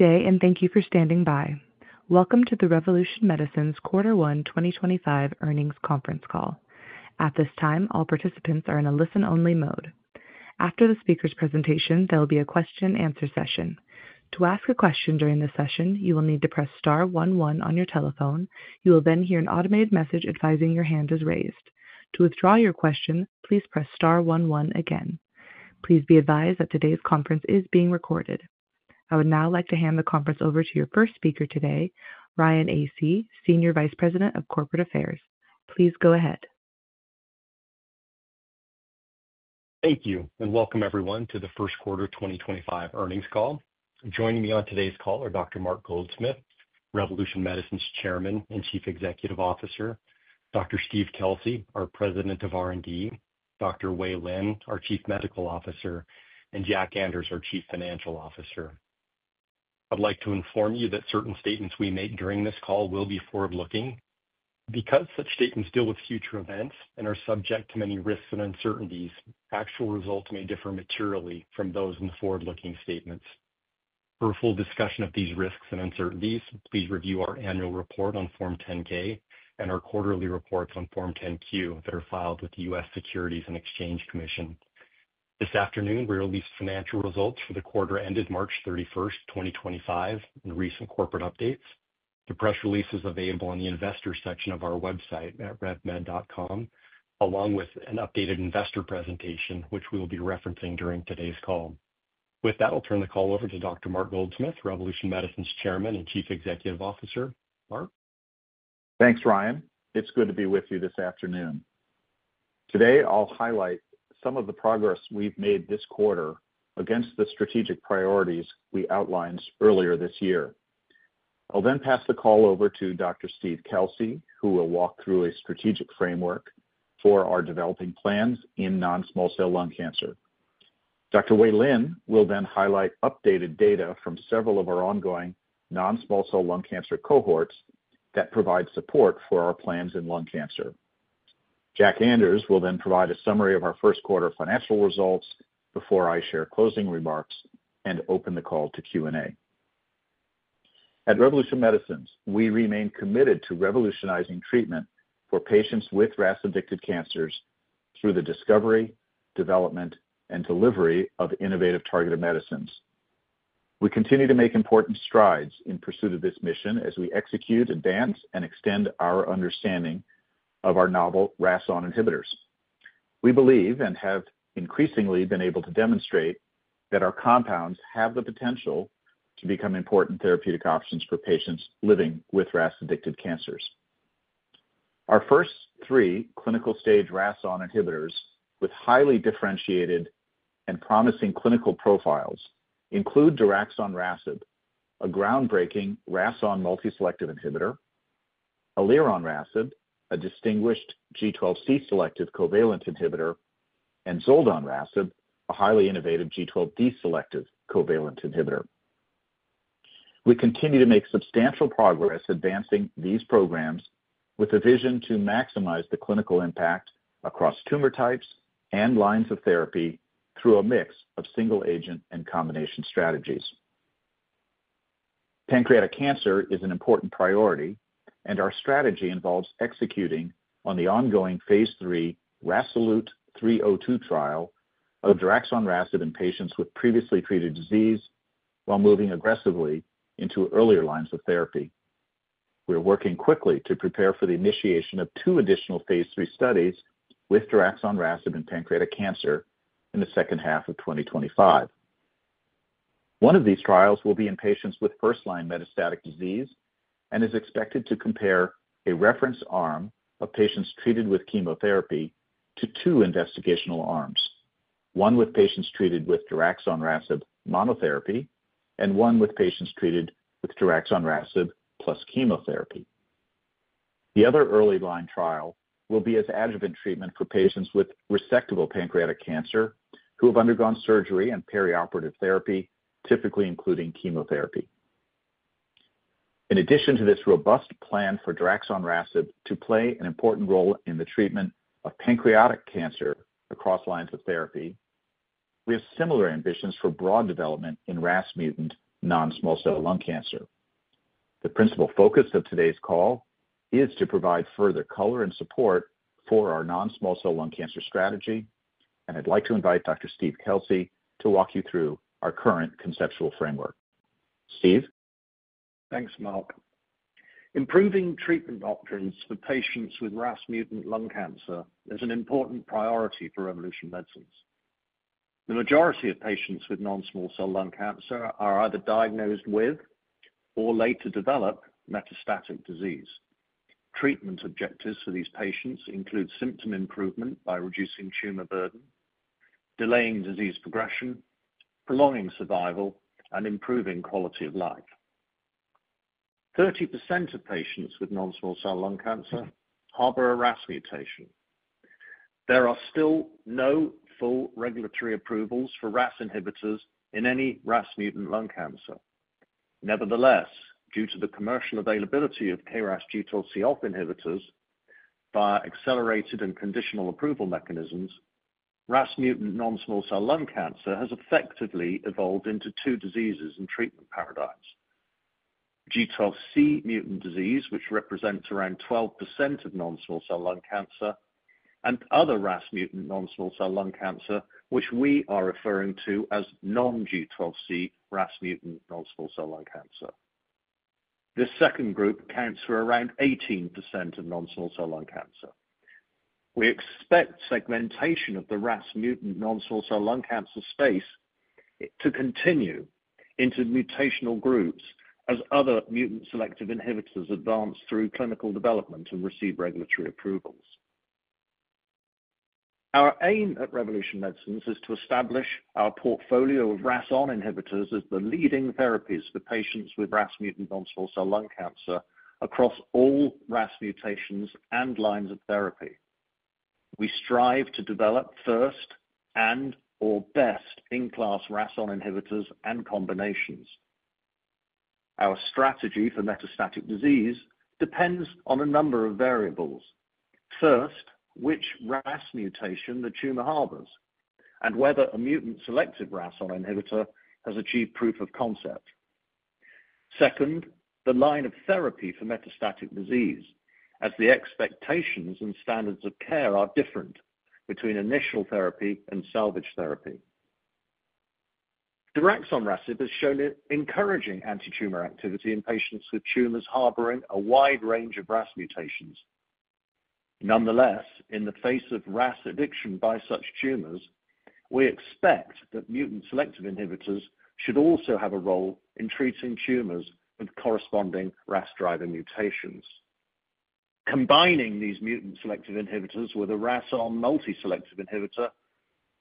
Good day, and thank you for standing by. Welcome to the Revolution Medicines quarter one 2025 earnings conference call. At this time, all participants are in a listen-only mode. After the speaker's presentation, there will be a question-and-answer session. To ask a question during the session, you will need to press star one one on your telephone. You will then hear an automated message advising your hand is raised. To withdraw your question, please press star one one again. Please be advised that today's conference is being recorded. I would now like to hand the conference over to your first speaker today, Ryan Asay, Senior Vice President of Corporate Affairs. Please go ahead. Thank you, and welcome everyone to the first quarter 2025 earnings call. Joining me on today's call are Dr. Mark Goldsmith, Revolution Medicines Chairman and Chief Executive Officer, Dr. Steve Kelsey, our President of R&D, Dr. Wei Lin, our Chief Medical Officer, and Jack Anders, our Chief Financial Officer. I'd like to inform you that certain statements we make during this call will be forward-looking. Because such statements deal with future events and are subject to many risks and uncertainties, actual results may differ materially from those in the forward-looking statements. For a full discussion of these risks and uncertainties, please review our annual report on Form 10-K and our quarterly reports on Form 10-Q that are filed with the U.S. Securities and Exchange Commission. This afternoon, we released financial results for the quarter ended March 31, 2025, and recent corporate updates. The press release is available in the investor section of our website at revmed.com, along with an updated investor presentation, which we will be referencing during today's call. With that, I'll turn the call over to Dr. Mark Goldsmith, Revolution Medicines Chairman and Chief Executive Officer. Mark? Thanks, Ryan. It's good to be with you this afternoon. Today, I'll highlight some of the progress we've made this quarter against the strategic priorities we outlined earlier this year. I'll then pass the call over to Dr. Steve Kelsey, who will walk through a strategic framework for our developing plans in non-small cell lung cancer. Dr. Wei Lin will then highlight updated data from several of our ongoing non-small cell lung cancer cohorts that provide support for our plans in lung cancer. Jack Anders will then provide a summary of our first quarter financial results before I share closing remarks and open the call to Q&A. At Revolution Medicines, we remain committed to revolutionizing treatment for patients with RAS-addicted cancers through the discovery, development, and delivery of innovative targeted medicines. We continue to make important strides in pursuit of this mission as we execute, advance, and extend our understanding of our novel RAS(ON) inhibitors. We believe and have increasingly been able to demonstrate that our compounds have the potential to become important therapeutic options for patients living with RAS-addicted cancers. Our first three clinical stage RAS(ON) inhibitors with highly differentiated and promising clinical profiles include daraxonrasib, a groundbreaking RAS(ON) multiselective inhibitor; elironrasib, a distinguished G12C selective covalent inhibitor; and zoldonrasib, a highly innovative G12D selective covalent inhibitor. We continue to make substantial progress advancing these programs with a vision to maximize the clinical impact across tumor types and lines of therapy through a mix of single-agent and combination strategies. Pancreatic cancer is an important priority, and our strategy involves executing on the ongoing phase III RASolute 302 trial of daraxonrasib in patients with previously treated disease while moving aggressively into earlier lines of therapy. We are working quickly to prepare for the initiation of two additional phase III studies with daraxonrasib in pancreatic cancer in the second half of 2025. One of these trials will be in patients with first-line metastatic disease and is expected to compare a reference arm of patients treated with chemotherapy to two investigational arms: one with patients treated with daraxonrasib monotherapy and one with patients treated with daraxonrasib plus chemotherapy. The other early line trial will be as adjuvant treatment for patients with resectable pancreatic cancer who have undergone surgery and perioperative therapy, typically including chemotherapy. In addition to this robust plan for daraxonrasib to play an important role in the treatment of pancreatic cancer across lines of therapy, we have similar ambitions for broad development in RAS Mutant non-small cell lung cancer. The principal focus of today's call is to provide further color and support for our non-small cell lung cancer strategy, and I'd like to invite Dr. Steve Kelsey to walk you through our current conceptual framework. Steve? Thanks, Mark. Improving treatment options for patients with RAS Mutant lung cancer is an important priority for Revolution Medicines. The majority of patients with non-small cell lung cancer are either diagnosed with or later develop metastatic disease. Treatment objectives for these patients include symptom improvement by reducing tumor burden, delaying disease progression, prolonging survival, and improving quality of life. 30% of patients with non-small cell lung cancer harbor a RAS mutation. There are still no full regulatory approvals for RAS inhibitors in any RAS Mutant lung cancer. Nevertheless, due to the commercial availability of KRAS G12C inhibitors via accelerated and conditional approval mechanisms, RAS Mutant non-small cell lung cancer has effectively evolved into two diseases and treatment paradigms: G12C mutant disease, which represents around 12% of non-small cell lung cancer, and other RAS Mutant non-small cell lung cancer, which we are referring to as non-G12C RAS Mutant non-small cell lung cancer. This second group accounts for around 18% of non-small cell lung cancer. We expect segmentation of the RAS Mutant non-small cell lung cancer space to continue into mutational groups as other mutant selective inhibitors advance through clinical development and receive regulatory approvals. Our aim at Revolution Medicines is to establish our portfolio of RAS(ON) inhibitors as the leading therapies for patients with RAS Mutant non-small cell lung cancer across all RAS mutations and lines of therapy. We strive to develop first and/or best-in-class RAS(ON) inhibitors and combinations. Our strategy for metastatic disease depends on a number of variables. First, which RAS mutation the tumor harbors and whether a mutant selective RAS(ON) inhibitor has achieved proof of concept. Second, the line of therapy for metastatic disease, as the expectations and standards of care are different between initial therapy and salvage therapy. Daraxonrasib has shown encouraging anti-tumor activity in patients with tumors harboring a wide range of RAS mutations. Nonetheless, in the face of RAS addiction by such tumors, we expect that mutant selective inhibitors should also have a role in treating tumors with corresponding RAS driver mutations. Combining these mutant selective inhibitors with a RAS(ON) multiselective inhibitor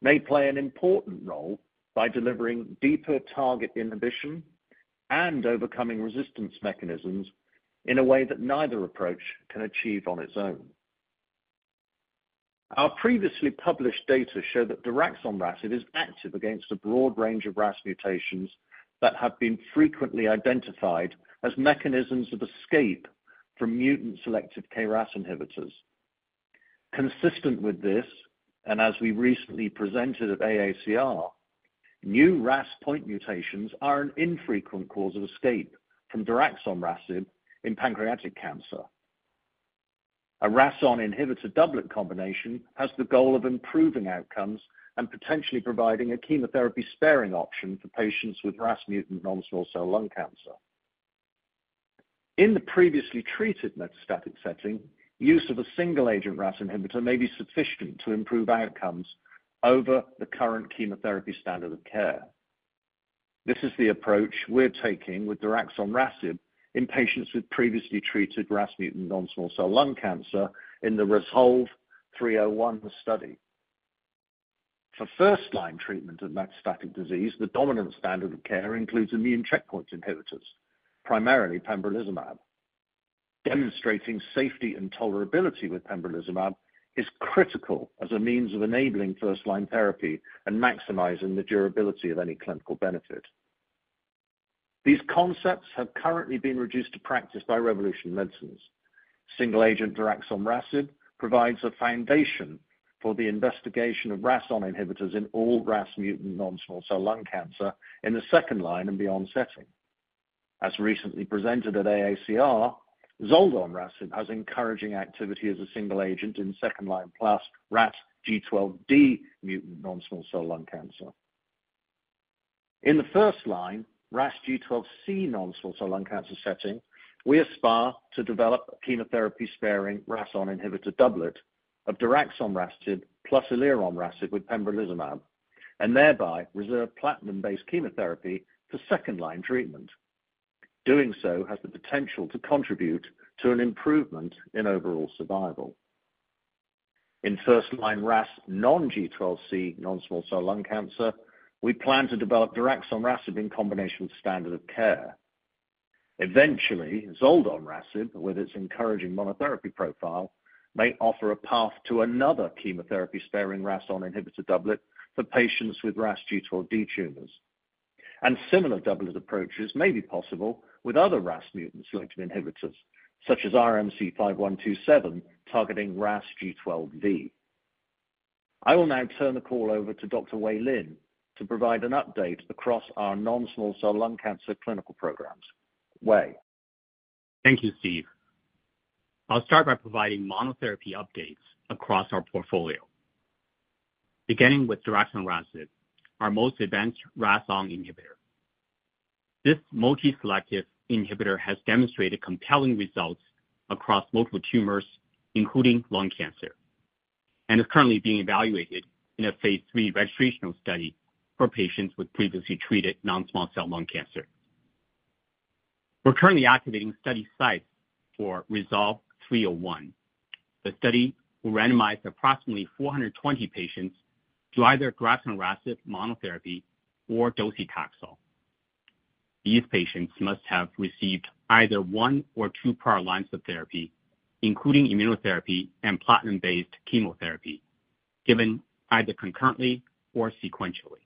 may play an important role by delivering deeper target inhibition and overcoming resistance mechanisms in a way that neither approach can achieve on its own. Our previously published data show that daraxonrasib is active against a broad range of RAS mutations that have been frequently identified as mechanisms of escape from mutant selective KRAS inhibitors. Consistent with this, and as we recently presented at AACR, new RAS point mutations are an infrequent cause of escape from daraxonrasib in pancreatic cancer. A RAS(ON) inhibitor doublet combination has the goal of improving outcomes and potentially providing a chemotherapy sparing option for patients with RAS Mutant non-small cell lung cancer. In the previously treated metastatic setting, use of a single-agent RAS inhibitor may be sufficient to improve outcomes over the current chemotherapy standard of care. This is the approach we're taking with daraxonrasib in patients with previously treated RAS Mutant non-small cell lung cancer in the RASolve 301 Study. For first-line treatment of metastatic disease, the dominant standard of care includes immune checkpoint inhibitors, primarily pembrolizumab. Demonstrating safety and tolerability with pembrolizumab is critical as a means of enabling first-line therapy and maximizing the durability of any clinical benefit. These concepts have currently been reduced to practice by Revolution Medicines. Single-agent daraxonrasib provides a foundation for the investigation of RAS(ON) inhibitors in all RAS Mutant non-small cell lung cancer in the second line and beyond setting. As recently presented at AACR, zoldonrasib has encouraging activity as a single agent in second line plus RAS G12D mutant non-small cell lung cancer. In the first line, RAS G12C non-small cell lung cancer setting, we aspire to develop a chemotherapy sparing RAS(ON) inhibitor doublet of daraxonrasib plus elironrasib with pembrolizumab and thereby reserve platinum-based chemotherapy for second line treatment. Doing so has the potential to contribute to an improvement in overall survival. In first-line RAS non-G12C non-small cell lung cancer, we plan to develop daraxonrasib in combination with standard of care. Eventually, zoldonrasib, with its encouraging monotherapy profile, may offer a path to another chemotherapy-sparing RAS(ON) inhibitor doublet for patients with RAS G12D tumors. Similar doublet approaches may be possible with other RAS Mutant selective inhibitors, such as RMC-5127 targeting RAS G12V. I will now turn the call over to Dr. Wei Lin to provide an update across our non-small cell lung cancer clinical programs. Wei. Thank you, Steve. I'll start by providing monotherapy updates across our portfolio, beginning with daraxonrasib, our most advanced RAS(ON) inhibitor. This multiselective inhibitor has demonstrated compelling results across multiple tumors, including lung cancer, and is currently being evaluated in a phase III registrational study for patients with previously treated non-small cell lung cancer. We're currently activating study sites for RASolve 301, a study where we randomized approximately 420 patients to either daraxonrasib monotherapy or docetaxel. These patients must have received either one or two prior lines of therapy, including immunotherapy and platinum-based chemotherapy, given either concurrently or sequentially.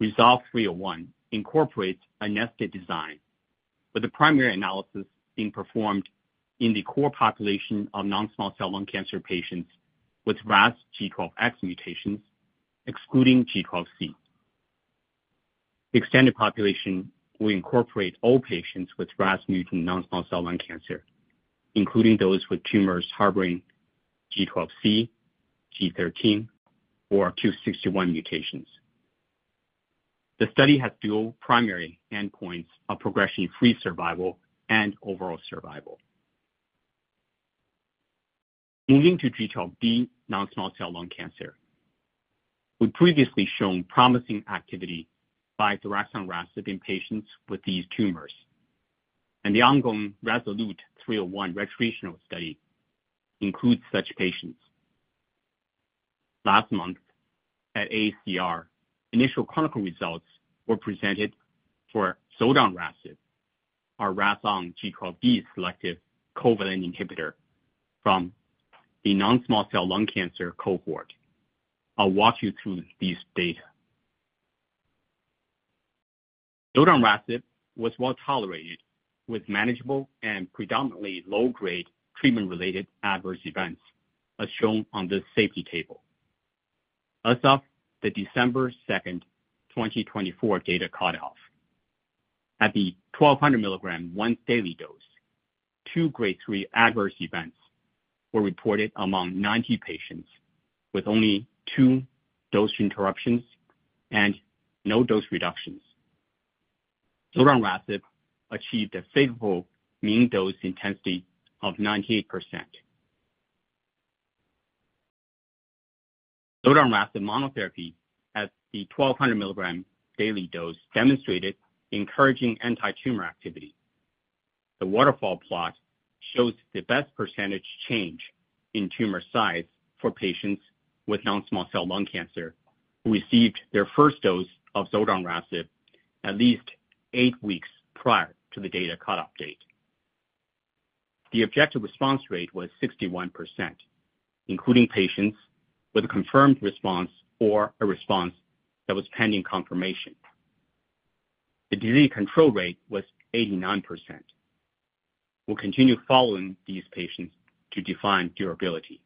RASolve 301 incorporates a nested design, with the primary analysis being performed in the core population of non-small cell lung cancer patients with RAS G12X mutations, excluding G12C. The extended population will incorporate all patients with RAS Mutant non-small cell lung cancer, including those with tumors harboring G12C, G13, or Q61 mutations. The study has dual primary endpoints of progression-free survival and overall survival. Moving to G12D non-small cell lung cancer. We've previously shown promising activity by daraxonrasib in patients with these tumors, and the ongoing RASolve 301 registrational study includes such patients. Last month at AACR, initial clinical results were presented for zoldonrasib, our RAS(ON) G12D selective covalent inhibitor from the non-small cell lung cancer cohort. I'll walk you through these data. Zoldonrasib was well tolerated with manageable and predominantly low-grade treatment-related adverse events, as shown on this safety table. As of the December 2, 2024 data cutoff, at the 1,200 mg once-daily dose, two grade 3 adverse events were reported among 90 patients with only two dose interruptions and no dose reductions. Zoldonrasib achieved a favorable mean dose intensity of 98%. Zoldonrasib monotherapy at the 1,200 mg daily dose demonstrated encouraging anti-tumor activity. The waterfall plot shows the best percentage change in tumor size for patients with non-small cell lung cancer who received their first dose of zoldonrasib at least eight weeks prior to the data cutoff date. The objective response rate was 61%, including patients with a confirmed response or a response that was pending confirmation. The disease control rate was 89%. We'll continue following these patients to define durability.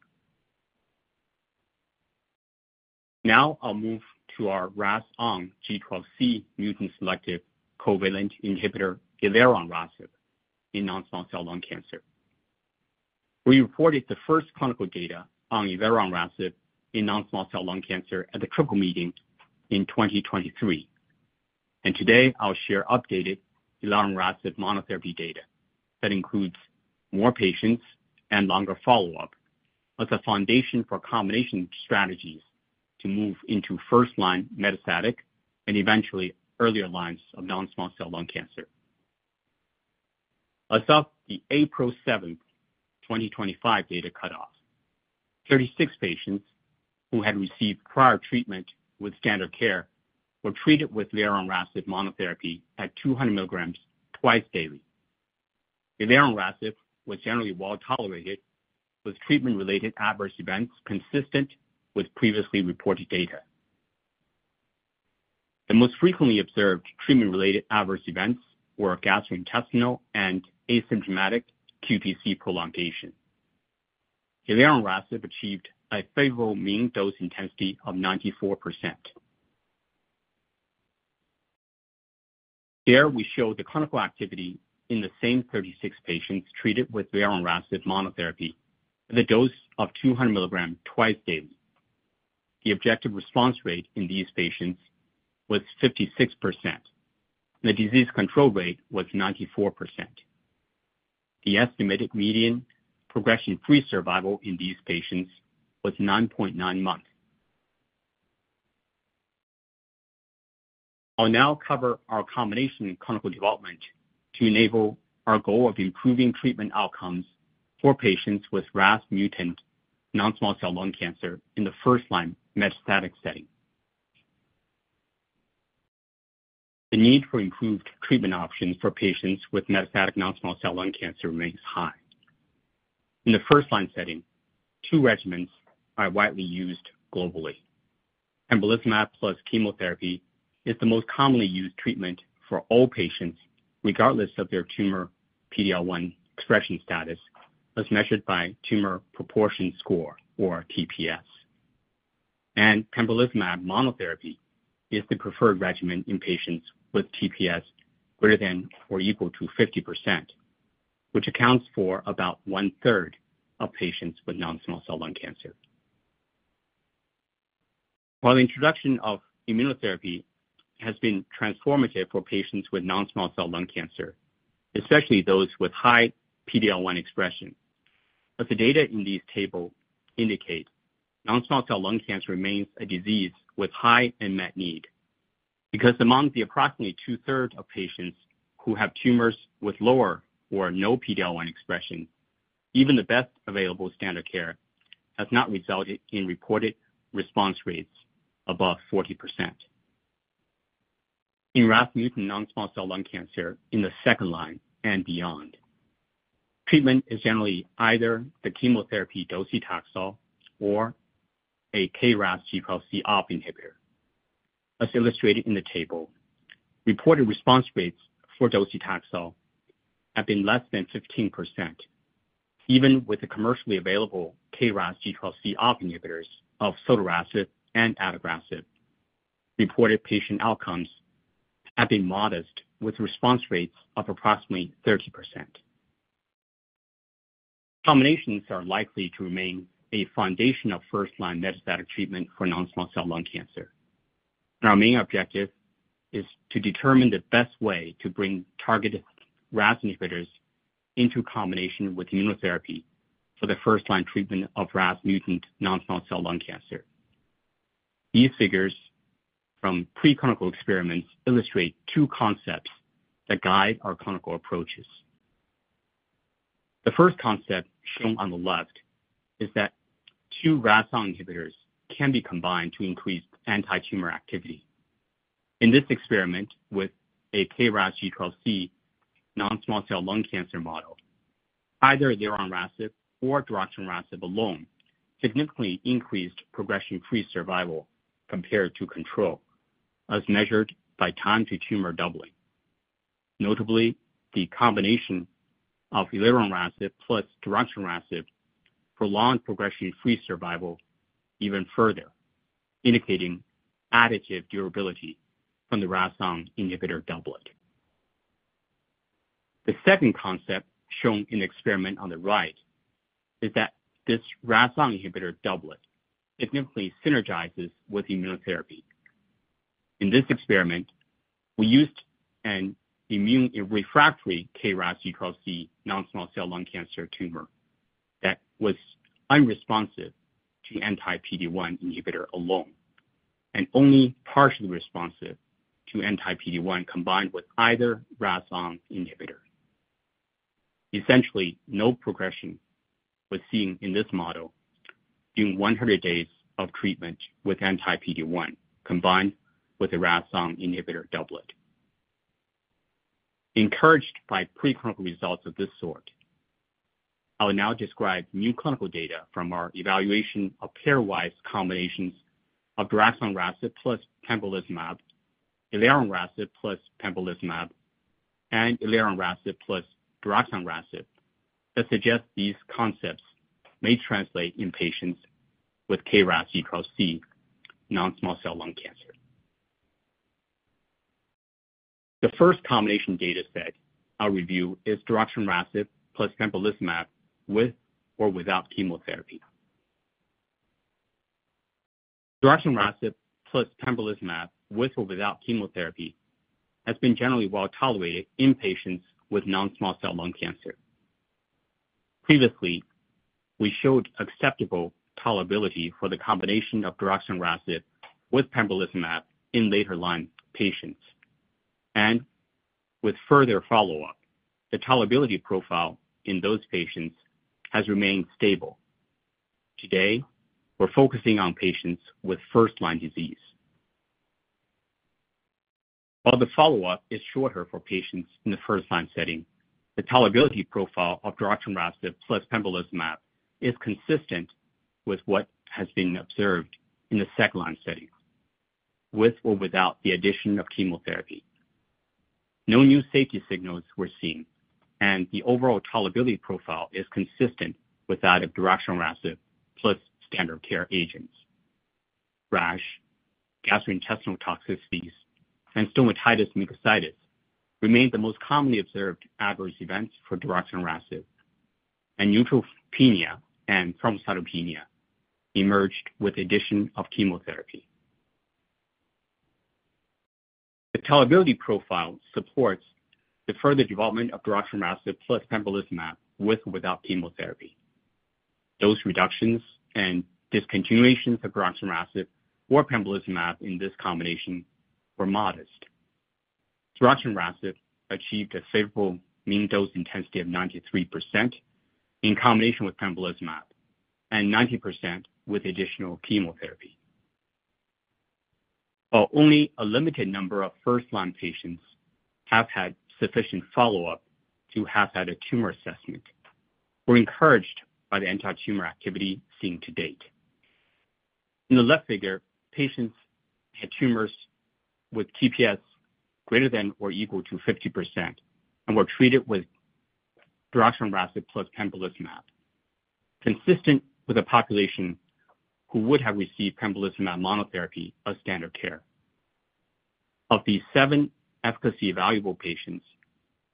Now I'll move to our RAS(ON) G12C mutant selective covalent inhibitor elironrasib in non-small cell lung cancer. We reported the first clinical data on elironrasib in non-small cell lung cancer at the triple meeting in 2023. Today, I'll share updated elironrasib monotherapy data that includes more patients and longer follow-up as a foundation for combination strategies to move into first-line metastatic and eventually earlier lines of non-small cell lung cancer. As of the April 7, 2025 data cutoff, 36 patients who had received prior treatment with standard care were treated with elironrasib monotherapy at 200 mg twice daily. Elironrasib was generally well tolerated with treatment-related adverse events consistent with previously reported data. The most frequently observed treatment-related adverse events were gastrointestinal and asymptomatic QTc prolongation. Elironrasib achieved a favorable mean dose intensity of 94%. Here we show the clinical activity in the same 36 patients treated with elironrasib monotherapy at the dose of 200 mg twice daily. The objective response rate in these patients was 56%, and the disease control rate was 94%. The estimated median progression-free survival in these patients was 9.9 months. I'll now cover our combination clinical development to enable our goal of improving treatment outcomes for patients with RAS Mutant non-small cell lung cancer in the first line metastatic setting. The need for improved treatment options for patients with metastatic non-small cell lung cancer remains high. In the first line setting, two regimens are widely used globally. Pembrolizumab plus chemotherapy is the most commonly used treatment for all patients, regardless of their tumor PD-L1 expression status, as measured by tumor proportion score, or TPS. Pembrolizumab monotherapy is the preferred regimen in patients with TPS greater than or equal to 50%, which accounts for about one-third of patients with non-small cell lung cancer. While the introduction of immunotherapy has been transformative for patients with non-small cell lung cancer, especially those with high PD-L1 expression, as the data in this table indicate, non-small cell lung cancer remains a disease with high unmet need. Because among the approximately two-thirds of patients who have tumors with lower or no PD-L1 expression, even the best available standard care has not resulted in reported response rates above 40%. In RAS Mutant non-small cell lung cancer in the second line and beyond, treatment is generally either the chemotherapy docetaxel or a KRAS G12C inhibitor. As illustrated in the table, reported response rates for docetaxel have been less than 15%, even with the commercially available KRAS G12C inhibitors of sotorasib and adagrasib. Reported patient outcomes have been modest with response rates of approximately 30%. Combinations are likely to remain a foundation of first-line metastatic treatment for non-small cell lung cancer. Our main objective is to determine the best way to bring targeted RAS inhibitors into combination with immunotherapy for the first-line treatment of RAS Mutant non-small cell lung cancer. These figures from preclinical experiments illustrate two concepts that guide our clinical approaches. The first concept shown on the left is that two RAS(ON) inhibitors can be combined to increase anti-tumor activity. In this experiment with a KRAS G12C non-small cell lung cancer model, either elironrasib or daraxonrasib alone significantly increased progression-free survival compared to control, as measured by time to tumor doubling. Notably, the combination of elironrasib plus daraxonrasib prolonged progression-free survival even further, indicating additive durability from the RAS(ON) inhibitor doublet. The second concept shown in the experiment on the right is that this RAS(ON) inhibitor doublet significantly synergizes with immunotherapy. In this experiment, we used an immune refractory KRAS G12C non-small cell lung cancer tumor that was unresponsive to anti-PD-1 inhibitor alone and only partially responsive to anti-PD-1 combined with either RAS(ON) inhibitor. Essentially, no progression was seen in this model during 100 days of treatment with anti-PD-1 combined with the RAS(ON) inhibitor doublet. Encouraged by preclinical results of this sort, I'll now describe new clinical data from our evaluation of pairwise combinations of daraxonrasib plus pembrolizumab, elironrasib plus pembrolizumab, and elironrasib plus daraxonrasib that suggest these concepts may translate in patients with KRAS G12C non-small cell lung cancer. The first combination data set I'll review is daraxonrasib plus pembrolizumab with or without chemotherapy. Daraxonrasib plus pembrolizumab with or without chemotherapy has been generally well tolerated in patients with non-small cell lung cancer. Previously, we showed acceptable tolerability for the combination of daraxonrasib with pembrolizumab in later line patients. With further follow-up, the tolerability profile in those patients has remained stable. Today, we're focusing on patients with first line disease. While the follow-up is shorter for patients in the first line setting, the tolerability profile of daraxonrasib plus pembrolizumab is consistent with what has been observed in the second line setting with or without the addition of chemotherapy. No new safety signals were seen, and the overall tolerability profile is consistent with that of daraxonrasib plus standard care agents. Rash, gastrointestinal toxicities, and stomatitis mucositis remain the most commonly observed adverse events for daraxonrasib, and neutropenia and thrombocytopenia emerged with the addition of chemotherapy. The tolerability profile supports the further development of daraxonrasib plus pembrolizumab with or without chemotherapy. Dose reductions and discontinuations of daraxonrasib or pembrolizumab in this combination were modest. Daraxonrasib achieved a favorable mean dose intensity of 93% in combination with pembrolizumab and 90% with additional chemotherapy. While only a limited number of first-line patients have had sufficient follow-up to have had a tumor assessment, we're encouraged by the anti-tumor activity seen to date. In the left figure, patients had tumors with TPS greater than or equal to 50% and were treated with daraxonrasib plus pembrolizumab, consistent with a population who would have received pembrolizumab monotherapy as standard care. Of the seven efficacy evaluable patients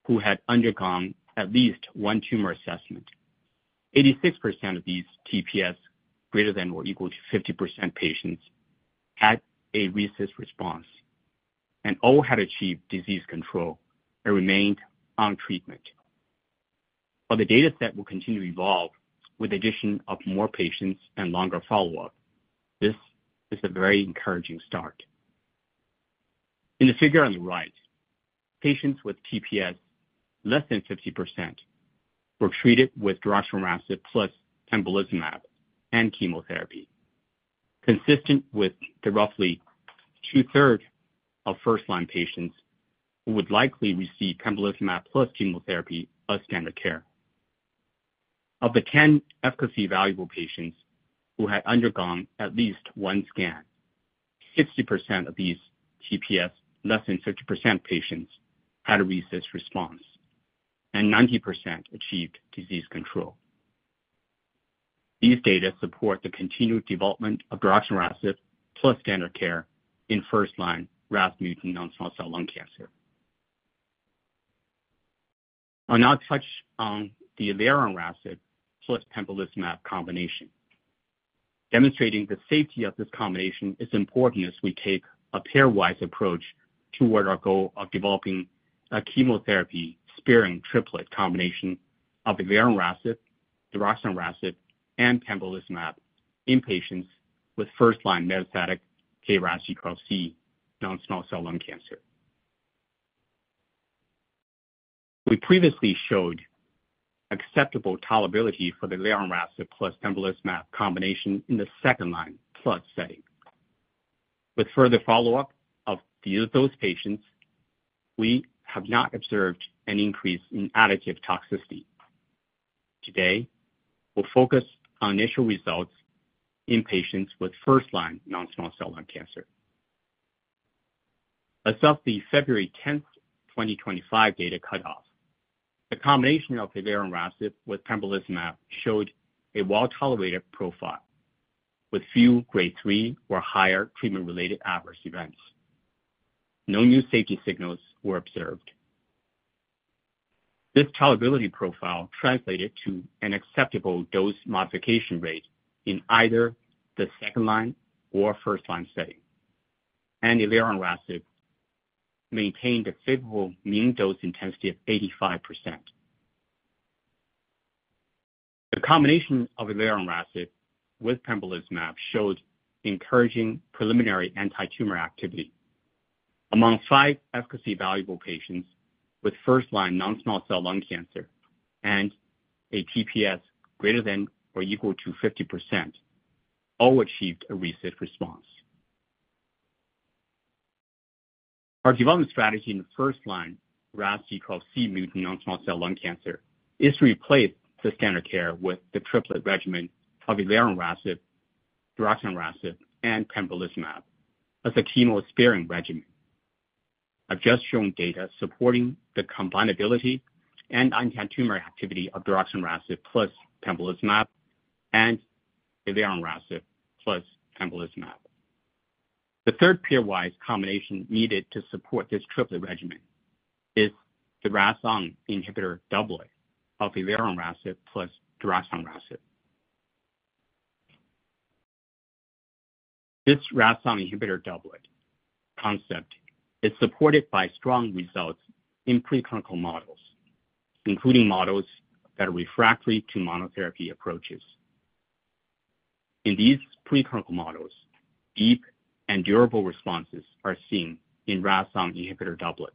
who had undergone at least one tumor assessment, 86% of these TPS greater than or equal to 50% patients had a recessed response, and all had achieved disease control and remained on treatment. While the data set will continue to evolve with the addition of more patients and longer follow-up, this is a very encouraging start. In the figure on the right, patients with TPS less than 50% were treated with daraxonrasib plus pembrolizumab and chemotherapy, consistent with the roughly two-thirds of first line patients who would likely receive pembrolizumab plus chemotherapy of standard care. Of the 10 efficacy evaluable patients who had undergone at least one scan, 60% of these TPS less than 50% patients had a recessed response, and 90% achieved disease control. These data support the continued development of daraxonrasib plus standard care in first-line RAS Mutant non-small cell lung cancer. I'll now touch on the elironrasib plus pembrolizumab combination. Demonstrating the safety of this combination is important as we take a pairwise approach toward our goal of developing a chemotherapy-sparing triplet combination of elironrasib, daraxonrasib, and pembrolizumab in patients with first-line metastatic KRAS G12C non-small cell lung cancer. We previously showed acceptable tolerability for the elironrasib plus pembrolizumab combination in the second-line plus setting. With further follow-up of those patients, we have not observed an increase in additive toxicity. Today, we'll focus on initial results in patients with first-line non-small cell lung cancer. As of the February 10, 2025 data cutoff, the combination of elironrasib with pembrolizumab showed a well-tolerated profile with few grade 3 or higher treatment-related adverse events. No new safety signals were observed. This tolerability profile translated to an acceptable dose modification rate in either the second line or first line setting, and elironrasib maintained a favorable mean dose intensity of 85%. The combination of elironrasib with pembrolizumab showed encouraging preliminary anti-tumor activity. Among five efficacy evaluable patients with first line non-small cell lung cancer and a TPS greater than or equal to 50%, all achieved a recessed response. Our development strategy in the first line KRAS G12C mutant non-small cell lung cancer is to replace the standard care with the triplet regimen of elironrasib, daraxonrasib, and pembrolizumab as a chemo sparing regimen. I've just shown data supporting the combineability and anti-tumor activity of daraxonrasib plus pembrolizumab and elironrasib plus pembrolizumab. The third pairwise combination needed to support this triplet regimen is the RAS(ON) inhibitor doublet of elironrasib plus daraxonrasib. This RAS(ON) inhibitor doublet concept is supported by strong results in preclinical models, including models that are refractory to monotherapy approaches. In these preclinical models, deep and durable responses are seen in RAS(ON) inhibitor doublets.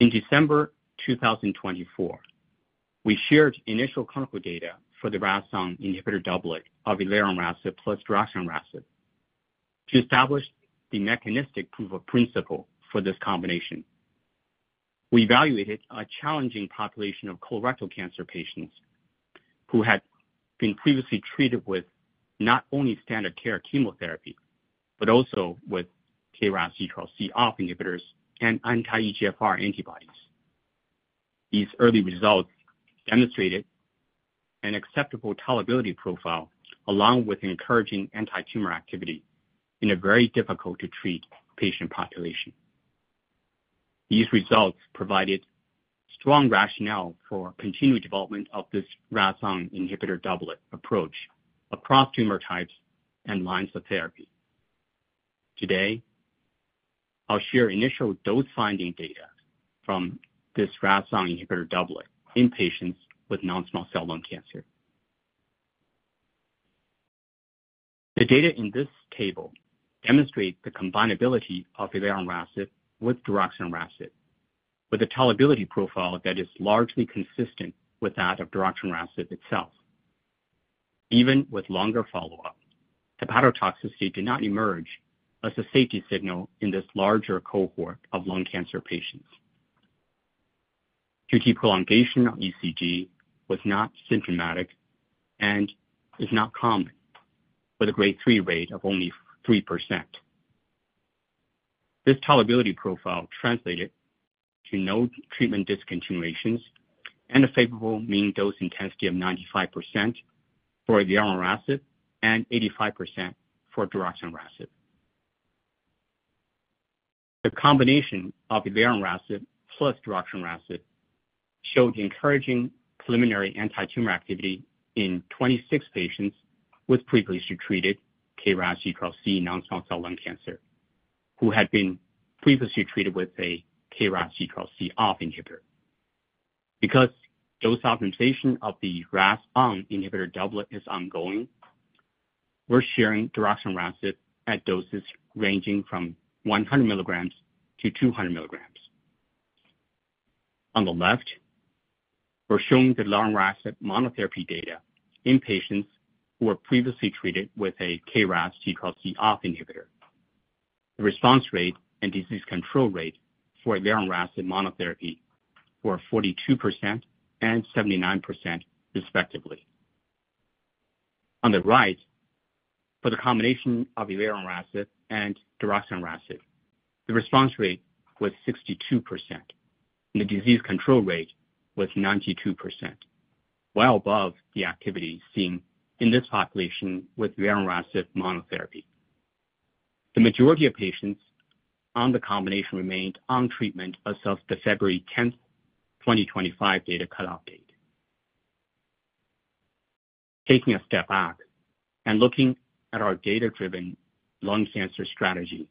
In December 2024, we shared initial clinical data for the RAS(ON) inhibitor doublet of elironrasib plus daraxonrasib to establish the mechanistic proof of principle for this combination. We evaluated a challenging population of colorectal cancer patients who had been previously treated with not only standard care chemotherapy but also with KRAS G12C off inhibitors and anti-EGFR antibodies. These early results demonstrated an acceptable tolerability profile along with encouraging anti-tumor activity in a very difficult-to-treat patient population. These results provided strong rationale for continued development of this RAS(ON) inhibitor doublet approach across tumor types and lines of therapy. Today, I'll share initial dose finding data from this RAS(ON) inhibitor doublet in patients with non-small cell lung cancer. The data in this table demonstrates the combineability of elironrasib with daraxonrasib, with a tolerability profile that is largely consistent with that of daraxonrasib itself. Even with longer follow-up, hepatotoxicity did not emerge as a safety signal in this larger cohort of lung cancer patients. QT prolongation on ECG was not symptomatic and is not common, with a grade 3 rate of only 3%. This tolerability profile translated to no treatment discontinuations and a favorable mean dose intensity of 95% for elironrasib and 85% for daraxonrasib. The combination of elironrasib plus daraxonrasib showed encouraging preliminary anti-tumor activity in 26 patients with previously treated KRAS G12C non-small cell lung cancer who had been previously treated with a KRAS G12C inhibitor. Because dose optimization of the RAS(ON) inhibitor doublet is ongoing, we're sharing daraxonrasib at doses ranging from 100 mg-200 mg. On the left, we're showing the elironrasib monotherapy data in patients who were previously treated with a KRAS G12C inhibitor. The response rate and disease control rate for elironrasib monotherapy were 42% and 79%, respectively. On the right, for the combination of elironrasib and daraxonrasib, the response rate was 62%, and the disease control rate was 92%, well above the activity seen in this population with elironrasib monotherapy. The majority of patients on the combination remained on treatment as of the February 10, 2025 data cutoff date. Taking a step back and looking at our data-driven lung cancer strategy,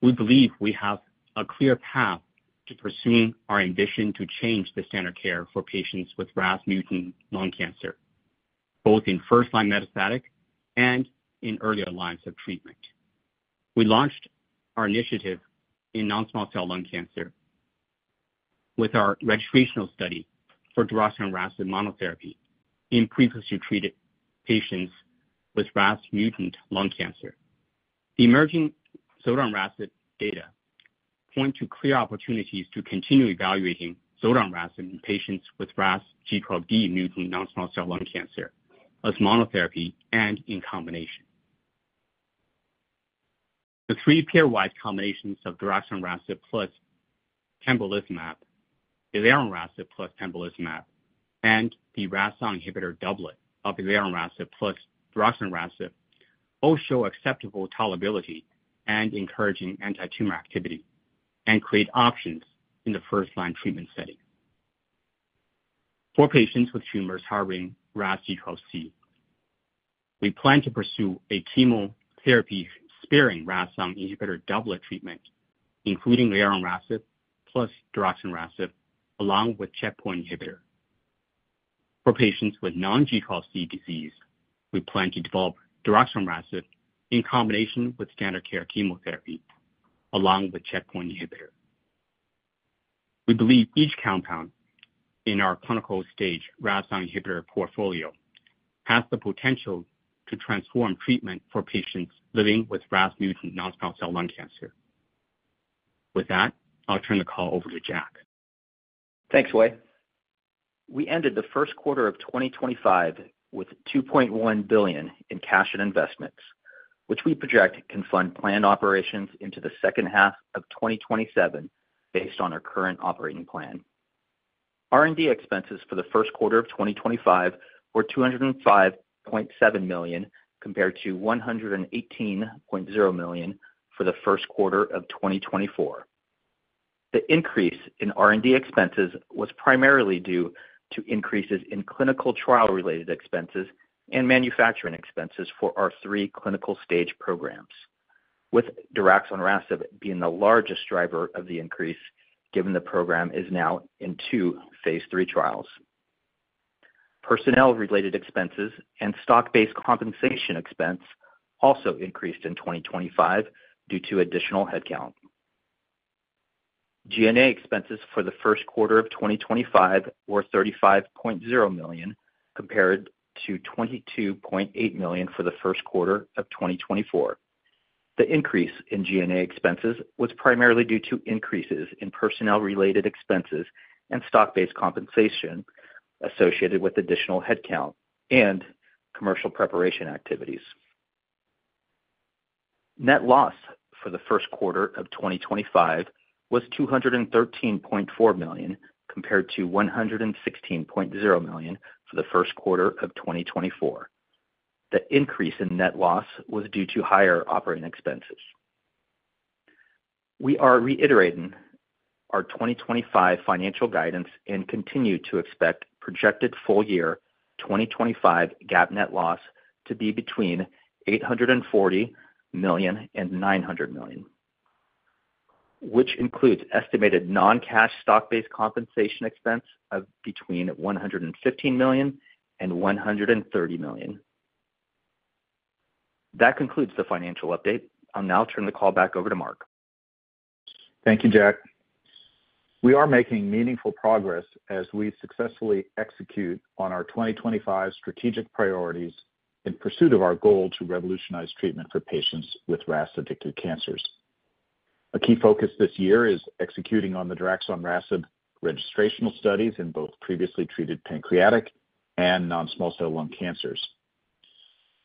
we believe we have a clear path to pursuing our ambition to change the standard care for patients with RAS Mutant lung cancer, both in first-line metastatic and in earlier lines of treatment. We launched our initiative in non-small cell lung cancer with our registrational study for daraxonrasib monotherapy in previously treated patients with RAS Mutant lung cancer. The emerging zoldonrasib data point to clear opportunities to continue evaluating zoldonrasib in patients with KRAS G12D mutant non-small cell lung cancer as monotherapy and in combination. The three pairwise combinations of daraxonrasib plus pembrolizumab, elironrasib plus pembrolizumab, and the RAS(ON) inhibitor doublet of elironrasib plus daraxonrasib all show acceptable tolerability and encouraging anti-tumor activity and create options in the first-line treatment setting. For patients with tumors harboring KRAS G12C, we plan to pursue a chemotherapy-sparing RAS(ON) inhibitor doublet treatment, including elironrasib plus daraxonrasib along with checkpoint inhibitor. For patients with non-G12C disease, we plan to develop daraxonrasib in combination with standard care chemotherapy along with checkpoint inhibitor. We believe each compound in our clinical-stage RAS(ON) inhibitor portfolio has the potential to transform treatment for patients living with RAS Mutant non-small cell lung cancer. With that, I'll turn the call over to Jack. Thanks, Wei. We ended the first quarter of 2025 with $2.1 billion in cash and investments, which we project can fund planned operations into the second half of 2027 based on our current operating plan. R&D expenses for the first quarter of 2025 were $205.7 million compared to $118.0 million for the first quarter of 2024. The increase in R&D expenses was primarily due to increases in clinical trial-related expenses and manufacturing expenses for our three clinical stage programs, with daraxonrasib being the largest driver of the increase given the program is now in two phase III trials. Personnel-related expenses and stock-based compensation expense also increased in 2025 due to additional headcount. G&A expenses for the first quarter of 2025 were $35.0 million compared to $22.8 million for the first quarter of 2024. The increase in G&A expenses was primarily due to increases in personnel-related expenses and stock-based compensation associated with additional headcount and commercial preparation activities. Net loss for the first quarter of 2025 was $213.4 million compared to $116.0 million for the first quarter of 2024. The increase in net loss was due to higher operating expenses. We are reiterating our 2025 financial guidance and continue to expect projected full year 2025 GAAP net loss to be between $840 million and $900 million, which includes estimated non-cash stock-based compensation expense of between $115 million and $130 million. That concludes the financial update. I'll now turn the call back over to Mark. Thank you, Jack. We are making meaningful progress as we successfully execute on our 2025 strategic priorities in pursuit of our goal to revolutionize treatment for patients with RAS-addicted cancers. A key focus this year is executing on the daraxonrasib registrational studies in both previously treated pancreatic and non-small cell lung cancers.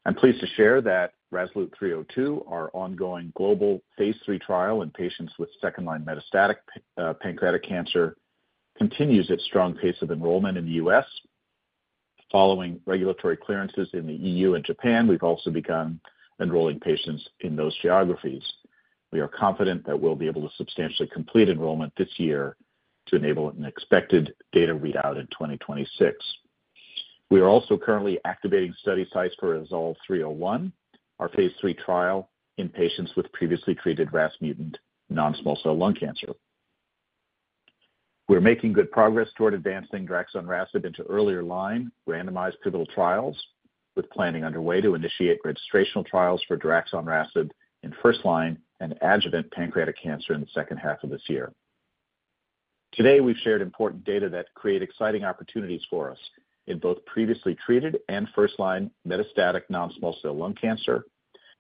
I'm pleased to share that RASolute 302, our ongoing global phase III trial in patients with second-line metastatic pancreatic cancer, continues its strong pace of enrollment in the U.S. Following regulatory clearances in the EU and Japan, we've also begun enrolling patients in those geographies. We are confident that we'll be able to substantially complete enrollment this year to enable an expected data readout in 2026. We are also currently activating study sites for RASolve 301, our phase III trial in patients with previously treated RAS Mutant non-small cell lung cancer. We're making good progress toward advancing daraxonrasib into earlier line randomized pivotal trials, with planning underway to initiate registrational trials for daraxonrasib in first-line and adjuvant pancreatic cancer in the second half of this year. Today, we've shared important data that create exciting opportunities for us in both previously treated and first-line metastatic non-small cell lung cancer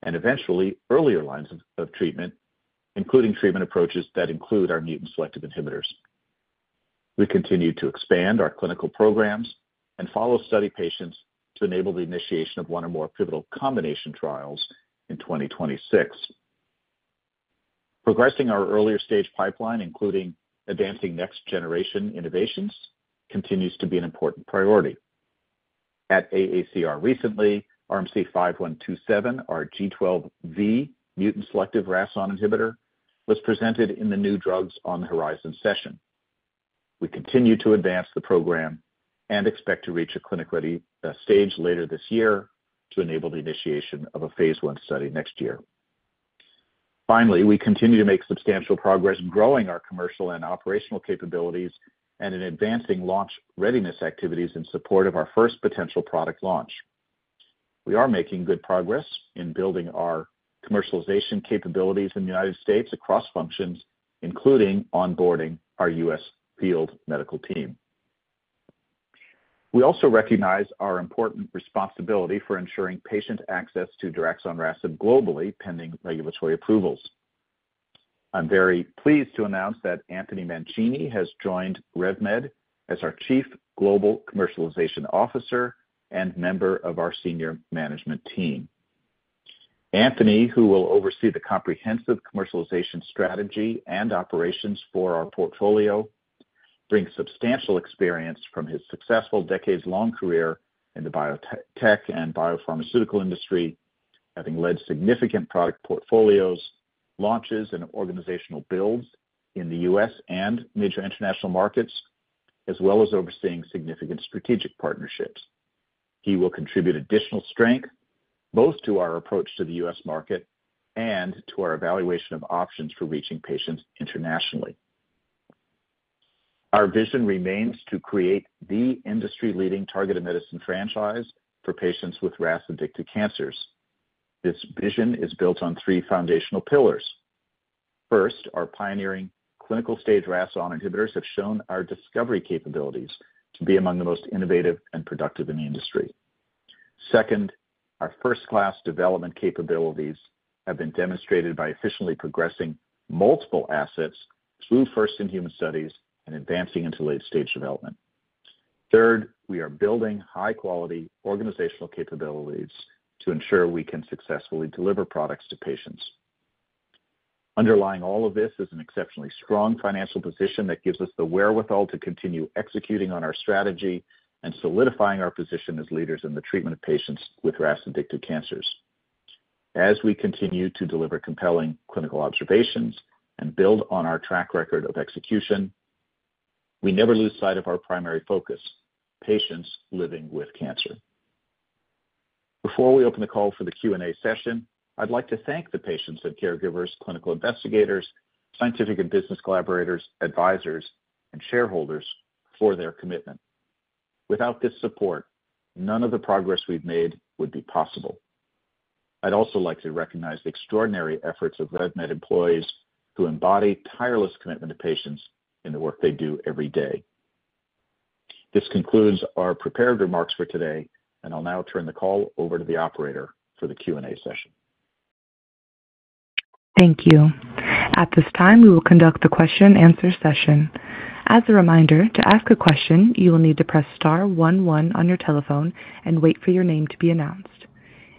and eventually earlier lines of treatment, including treatment approaches that include our mutant selective inhibitors. We continue to expand our clinical programs and follow study patients to enable the initiation of one or more pivotal combination trials in 2026. Progressing our earlier stage pipeline, including advancing next-generation innovations, continues to be an important priority. At AACR recently, RMC-5127, our G12V mutant selective RAS(ON) inhibitor, was presented in the New Drugs on the Horizon session. We continue to advance the program and expect to reach a clinic-ready stage later this year to enable the initiation of a phase one study next year. Finally, we continue to make substantial progress in growing our commercial and operational capabilities and in advancing launch readiness activities in support of our first potential product launch. We are making good progress in building our commercialization capabilities in the U.S. across functions, including onboarding our U.S. field medical team. We also recognize our important responsibility for ensuring patient access to daraxonrasib globally pending regulatory approvals. I'm very pleased to announce that Anthony Mancini has joined Revolution Medicines as our Chief Global Commercialization Officer and member of our senior management team. Anthony, who will oversee the comprehensive commercialization strategy and operations for our portfolio, brings substantial experience from his successful decades-long career in the biotech and biopharmaceutical industry, having led significant product portfolios, launches, and organizational builds in the U.S. and major international markets, as well as overseeing significant strategic partnerships. He will contribute additional strength both to our approach to the U.S. market and to our evaluation of options for reaching patients internationally. Our vision remains to create the industry-leading targeted medicine franchise for patients with RAS-addicted cancers. This vision is built on three foundational pillars. First, our pioneering clinical stage RAS(ON) inhibitors have shown our discovery capabilities to be among the most innovative and productive in the industry. Second, our first-class development capabilities have been demonstrated by efficiently progressing multiple assets through first-in-human studies and advancing into late-stage development. Third, we are building high-quality organizational capabilities to ensure we can successfully deliver products to patients. Underlying all of this is an exceptionally strong financial position that gives us the wherewithal to continue executing on our strategy and solidifying our position as leaders in the treatment of patients with RAS-addicted cancers. As we continue to deliver compelling clinical observations and build on our track record of execution, we never lose sight of our primary focus: patients living with cancer. Before we open the call for the Q&A session, I'd like to thank the patients and caregivers, clinical investigators, scientific and business collaborators, advisors, and shareholders for their commitment. Without this support, none of the progress we've made would be possible. I'd also like to recognize the extraordinary efforts of Revolution Medicines employees who embody tireless commitment to patients in the work they do every day. This concludes our prepared remarks for today, and I'll now turn the call over to the operator for the Q&A session. Thank you. At this time, we will conduct the question-and-answer session. As a reminder, to ask a question, you will need to press star one one on your telephone and wait for your name to be announced.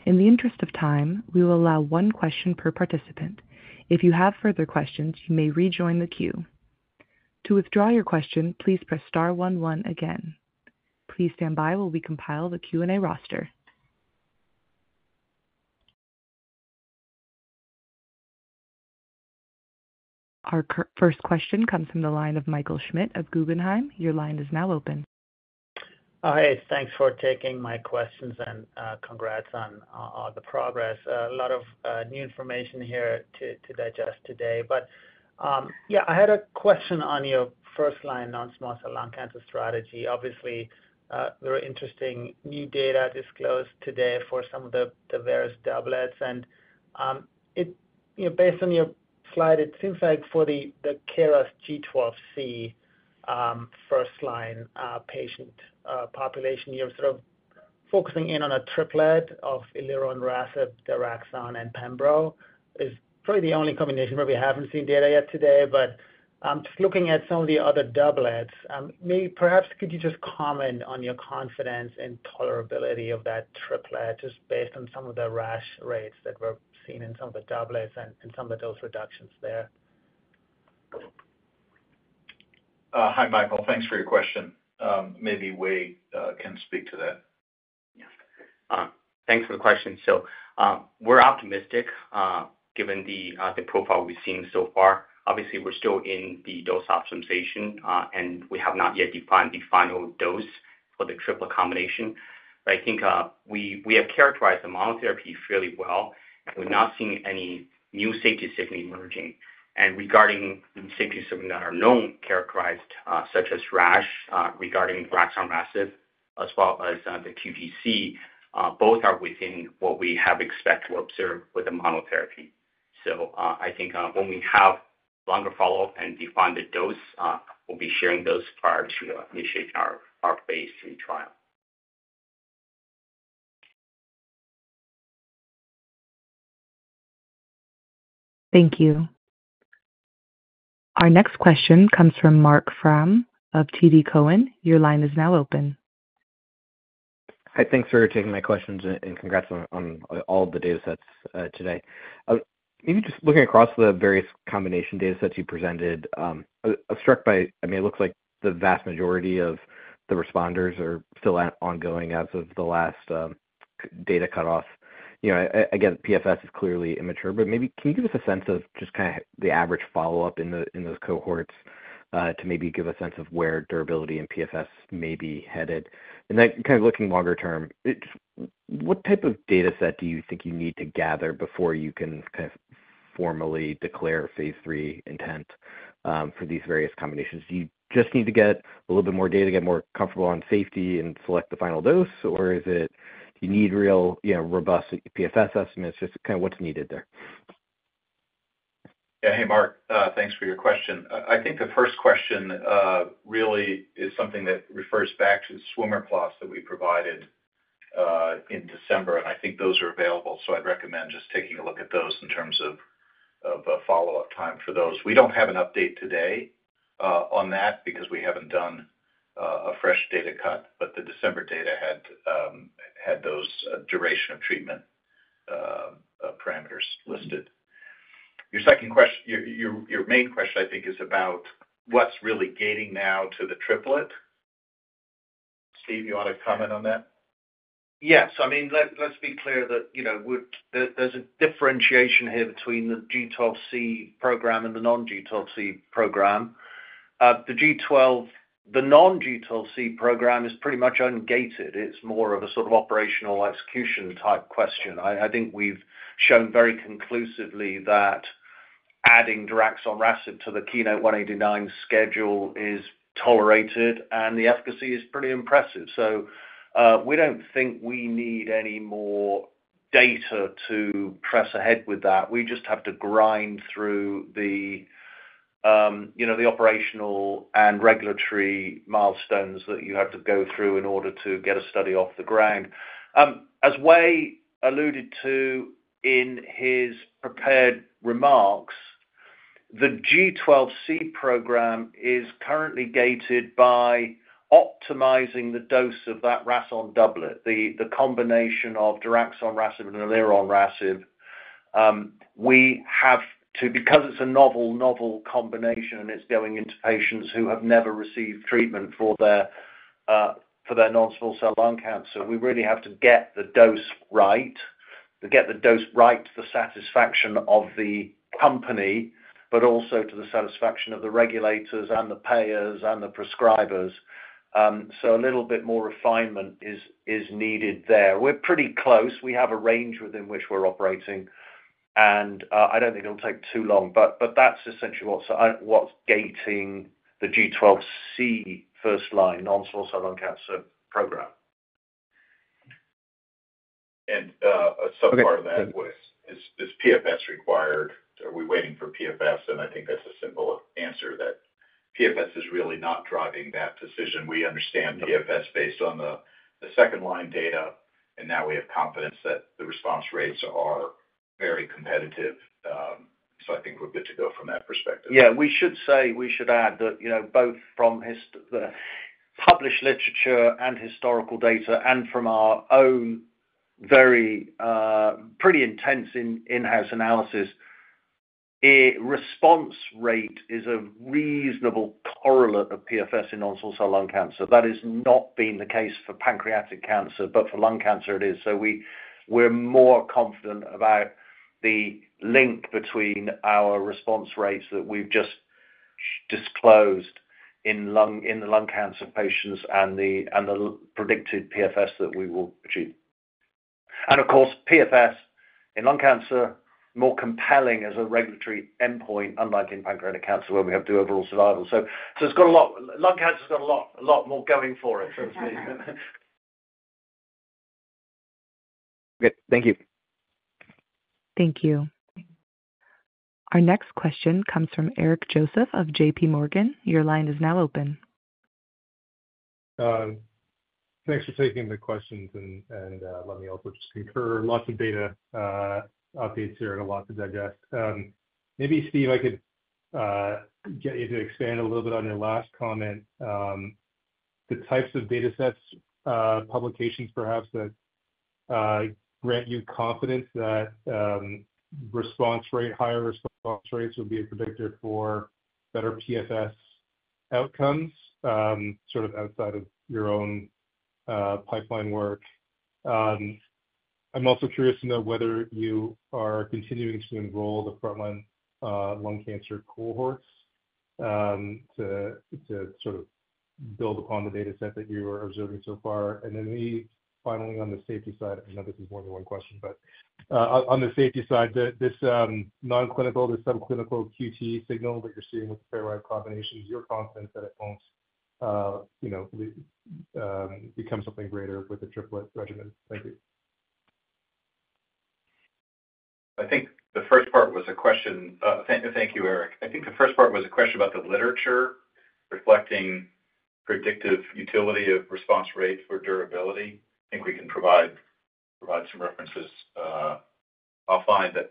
In the interest of time, we will allow one question per participant. If you have further questions, you may rejoin the queue. To withdraw your question, please press star one one again. Please stand by while we compile the Q&A roster. Our first question comes from the line of Michael Schmidt of Guggenheim. Your line is now open. Hi. Thanks for taking my questions and congrats on all the progress. A lot of new information here to digest today. Yeah, I had a question on your first line non-small cell lung cancer strategy. Obviously, very interesting new data disclosed today for some of the various doublets. Based on your slide, it seems like for the KRAS G12C first-line patient population, you're sort of focusing in on a triplet of elironrasib, daraxonrasib, and pembrolizumab. It's probably the only combination where we haven't seen data yet today. Just looking at some of the other doublets, maybe perhaps could you just comment on your confidence in tolerability of that triplet just based on some of the rash rates that were seen in some of the doublets and some of the dose reductions there? Hi, Michael. Thanks for your question. Maybe Wei can speak to that. Thanks for the question. We're optimistic given the profile we've seen so far. Obviously, we're still in the dose optimization, and we have not yet defined the final dose for the triplet combination. I think we have characterized the monotherapy fairly well, and we're not seeing any new safety signal emerging. Regarding the safety signals that are known, characterized such as rash regarding daraxonrasib as well as the QTc, both are within what we have expected to observe with the monotherapy. I think when we have longer follow-up and define the dose, we'll be sharing those prior to initiating our phase III trial. Thank you. Our next question comes from Marc Frahm of TD Cowen. Your line is now open. Hi. Thanks for taking my questions and congrats on all of the data sets today. Maybe just looking across the various combination data sets you presented, I was struck by, I mean, it looks like the vast majority of the responders are still ongoing as of the last data cutoff. Again, PFS is clearly immature. Maybe can you give us a sense of just kind of the average follow-up in those cohorts to maybe give a sense of where durability and PFS may be headed? Then kind of looking longer term, what type of data set do you think you need to gather before you can kind of formally declare phase three intent for these various combinations? Do you just need to get a little bit more data, get more comfortable on safety, and select the final dose? Or is it you need real robust PFS estimates? Just kind of what's needed there? Yeah. Hey, Marc. Thanks for your question. I think the first question really is something that refers back to the swimmer plots that we provided in December. I think those are available. I'd recommend just taking a look at those in terms of follow-up time for those. We don't have an update today on that because we haven't done a fresh data cut. The December data had those duration of treatment parameters listed. Your main question, I think, is about what's really gating now to the triplet. Steve, you want to comment on that? Yes. I mean, let's be clear that there's a differentiation here between the G12C program and the non-G12C program. The non-G12C program is pretty much ungated. It's more of a sort of operational execution type question. I think we've shown very conclusively that adding daraxonrasib to the KEYNOTE-189 schedule is tolerated, and the efficacy is pretty impressive. We don't think we need any more data to press ahead with that. We just have to grind through the operational and regulatory milestones that you have to go through in order to get a study off the ground. As Wei alluded to in his prepared remarks, the G12C program is currently gated by optimizing the dose of that RASOL doublet, the combination of daraxonrasib and elironrasib. Because it's a novel combination and it's going into patients who have never received treatment for their non-small cell lung cancer, we really have to get the dose right, get the dose right to the satisfaction of the company, but also to the satisfaction of the regulators and the payers and the prescribers. A little bit more refinement is needed there. We're pretty close. We have a range within which we're operating. I don't think it'll take too long. That's essentially what's gating the G12C first-line non-small cell lung cancer program. A subpart of that is, is PFS required? Are we waiting for PFS? I think that's a simple answer that PFS is really not driving that decision. We understand PFS based on the second line data. Now we have confidence that the response rates are very competitive. I think we're good to go from that perspective. We should say, we should add that both from the published literature and historical data and from our own very pretty intense in-house analysis, the response rate is a reasonable correlate of PFS in non-small cell lung cancer. That has not been the case for pancreatic cancer, but for lung cancer, it is. We're more confident about the link between our response rates that we've just disclosed in the lung cancer patients and the predicted PFS that we will achieve. Of course, PFS in lung cancer, more compelling as a regulatory endpoint, unlike in pancreatic cancer where we have to do overall survival. It has a lot—lung cancer has a lot more going for it, so to speak. Good. Thank you. Thank you. Our next question comes from Eric Joseph of JPMorgan. Your line is now open. Thanks for taking the questions. Let me also just confirm lots of data updates here and a lot to digest. Maybe, Steve, I could get you to expand a little bit on your last comment. The types of data sets, publications perhaps, that grant you confidence that higher response rates will be a predictor for better PFS outcomes sort of outside of your own pipeline work. I'm also curious to know whether you are continuing to enroll the frontline lung cancer cohorts to sort of build upon the data set that you are observing so far. Then maybe finally on the safety side, I know this is more than one question, but on the safety side, this non-clinical, this subclinical QT signal that you're seeing with the paired-wide combinations, your confidence that it won't become something greater with a triplet regimen? Thank you. I think the first part was a question. Thank you, Eric. I think the first part was a question about the literature reflecting predictive utility of response rate for durability. I think we can provide some references. I'll find that,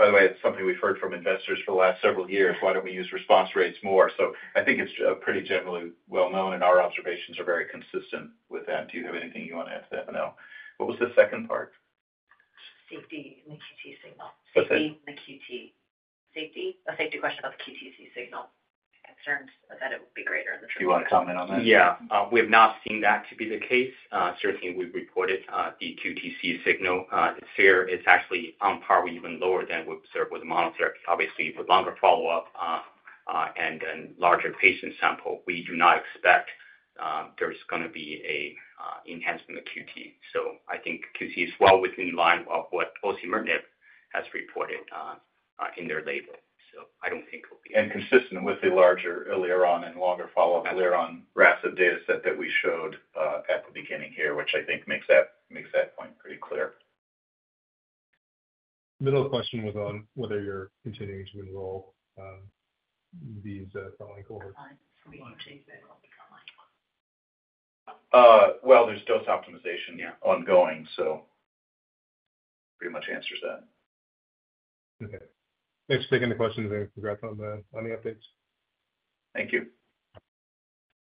by the way, it's something we've heard from investors for the last several years. Why don't we use response rates more? I think it's pretty generally well-known, and our observations are very consistent with that. Do you have anything you want to add to that? No. What was the second part? Safety in the QT signal. Safety in the QT. Safety? A safety question about the QTc signal. Concerns that it would be greater in the triplet. Do you want to comment on that? Yeah. We have not seen that to be the case. Certainly, we've reported the QTc signal. It's actually on par or even lower than we've observed with the monotherapy. Obviously, with longer follow-up and a larger patient sample, we do not expect there's going to be an enhancement in the QT. I think QT is well within the line of what OC Myrnick has reported in their label. I don't think it'll be. Consistent with the larger elironrasib and longer follow-up elironrasib data set that we showed at the beginning here, which I think makes that point pretty clear. The middle question was on whether you're continuing to enroll these frontline cohorts. There is dose optimization ongoing, so it pretty much answers that. Okay. Thanks for taking the questions. And congrats on the updates. Thank you.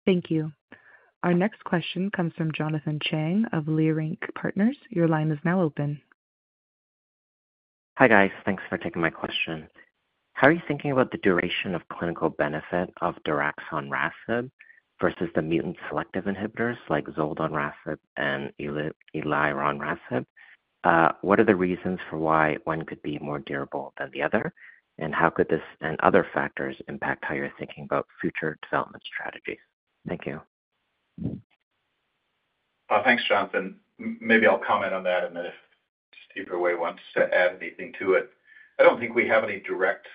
Thank you. Our next question comes from Jonathan Chang of Leerink Partners. Your line is now open. Hi guys. Thanks for taking my question. How are you thinking about the duration of clinical benefit of daraxonrasib versus the mutant selective inhibitors like zoldonrasib and elironrasib? What are the reasons for why one could be more durable than the other? How could this and other factors impact how you're thinking about future development strategies? Thank you. Thanks, Jonathan. Maybe I'll comment on that and then if Steve, or Wei, wants to add anything to it. I don't think we have any direct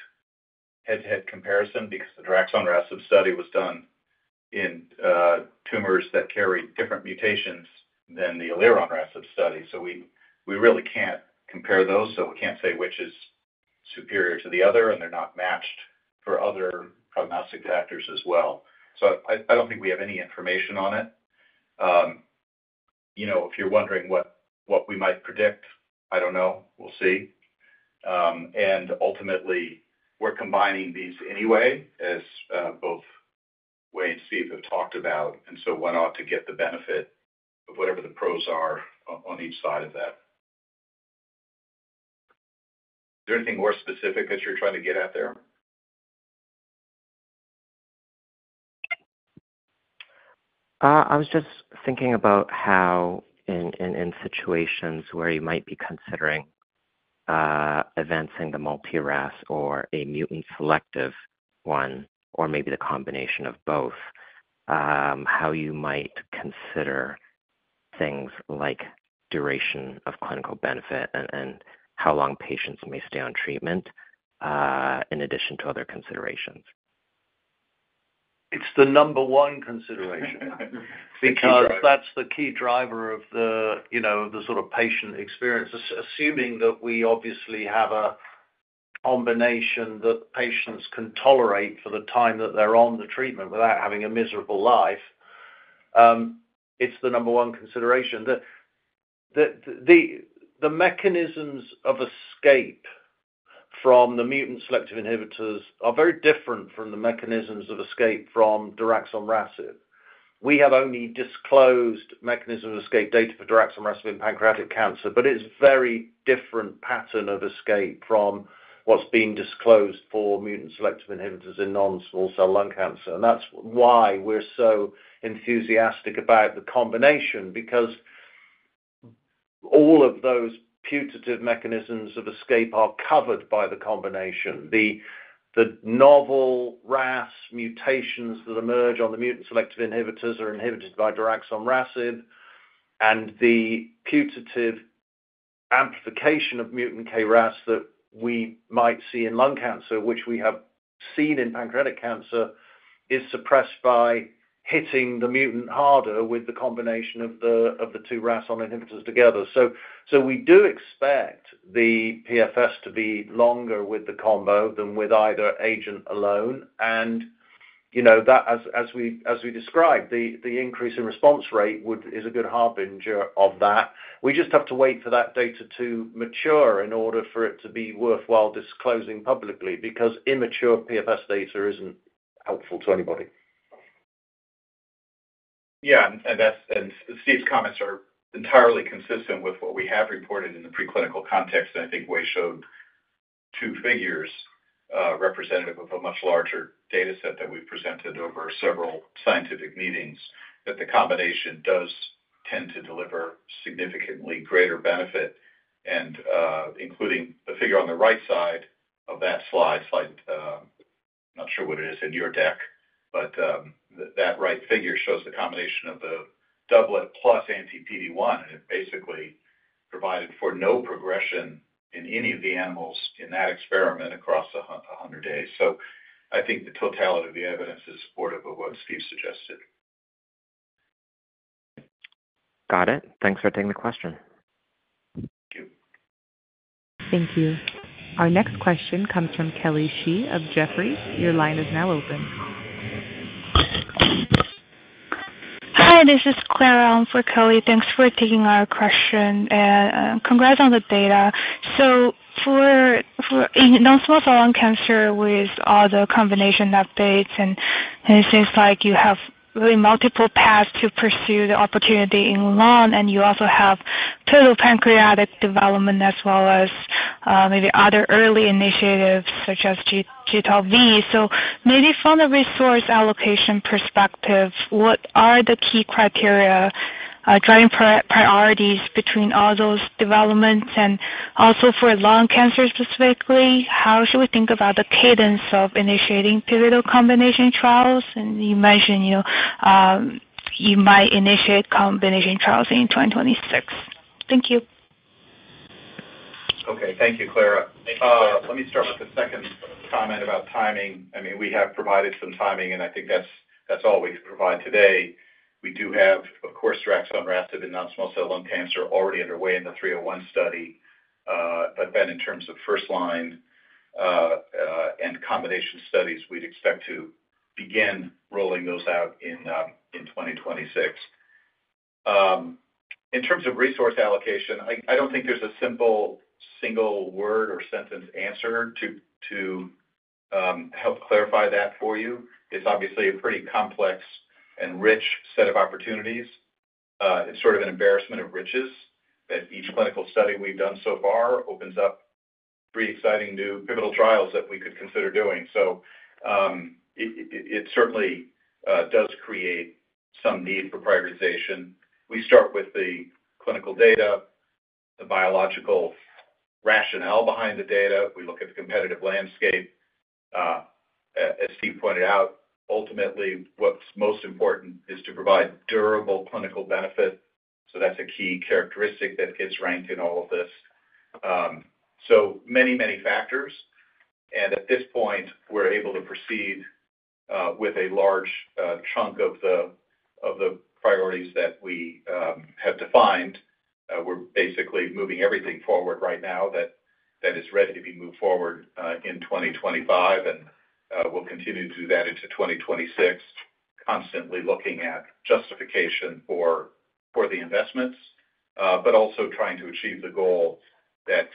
head-to-head comparison because the daraxonrasib study was done in tumors that carry different mutations than the elironrasib study. So we really can't compare those. We can't say which is superior to the other. They're not matched for other prognostic factors as well. I don't think we have any information on it. If you're wondering what we might predict, I don't know. We'll see. Ultimately, we're combining these anyway, as both Wei and Steve have talked about. We're going to get the benefit of whatever the pros are on each side of that. Is there anything more specific that you're trying to get out there? I was just thinking about how in situations where you might be considering advancing the multi-RAS or a mutant selective one, or maybe the combination of both, how you might consider things like duration of clinical benefit and how long patients may stay on treatment in addition to other considerations. It's the number one consideration because that's the key driver of the sort of patient experience. Assuming that we obviously have a combination that patients can tolerate for the time that they're on the treatment without having a miserable life, it's the number one consideration. The mechanisms of escape from the mutant selective inhibitors are very different from the mechanisms of escape from daraxonrasib. We have only disclosed mechanism of escape data for daraxonrasib in pancreatic cancer. It's a very different pattern of escape from what's being disclosed for mutant selective inhibitors in non-small cell lung cancer. That is why we are so enthusiastic about the combination because all of those putative mechanisms of escape are covered by the combination. The novel RAS mutations that emerge on the mutant selective inhibitors are inhibited by daraxonrasib. The putative amplification of mutant KRAS that we might see in lung cancer, which we have seen in pancreatic cancer, is suppressed by hitting the mutant harder with the combination of the two RAS(ON) inhibitors together. We do expect the PFS to be longer with the combo than with either agent alone. As we described, the increase in response rate is a good harbinger of that. We just have to wait for that data to mature in order for it to be worthwhile disclosing publicly because immature PFS data is not helpful to anybody. Yeah. Steve's comments are entirely consistent with what we have reported in the preclinical context. I think Wei showed two figures representative of a much larger data set that we have presented over several scientific meetings that the combination does tend to deliver significantly greater benefit. Including the figure on the right side of that slide, I am not sure what it is in your deck, but that right figure shows the combination of the doublet plus anti-PD-1. It basically provided for no progression in any of the animals in that experiment across 100 days. I think the totality of the evidence is supportive of what Steve suggested. Got it. Thanks for taking the question. Thank you. Thank you. Our next question comes from Kelly Shi of Jefferies. Your line is now open. Hi. This is Claire on for Kelly. Thanks for taking our question. Congrats on the data. For non-small cell lung cancer with all the combination updates, it seems like you have multiple paths to pursue the opportunity in lung. You also have total pancreatic development as well as maybe other early initiatives such as G12V. From the resource allocation perspective, what are the key criteria driving priorities between all those developments? For lung cancer specifically, how should we think about the cadence of initiating pivotal combination trials? You mentioned you might initiate combination trials in 2026. Thank you. Thank you, Claire. Let me start with the second comment about timing. I mean, we have provided some timing. I think that's all we can provide today. We do have, of course, daraxonrasib in non-small cell lung cancer already underway in the 301 study. In terms of first line and combination studies, we'd expect to begin rolling those out in 2026. In terms of resource allocation, I don't think there's a simple single word or sentence answer to help clarify that for you. It's obviously a pretty complex and rich set of opportunities. It's sort of an embarrassment of riches that each clinical study we've done so far opens up three exciting new pivotal trials that we could consider doing. It certainly does create some need for prioritization. We start with the clinical data, the biological rationale behind the data. We look at the competitive landscape. As Steve pointed out, ultimately, what's most important is to provide durable clinical benefit. That's a key characteristic that gets ranked in all of this. Many, many factors. At this point, we're able to proceed with a large chunk of the priorities that we have defined. We're basically moving everything forward right now that is ready to be moved forward in 2025. We'll continue to do that into 2026, constantly looking at justification for the investments, but also trying to achieve the goal that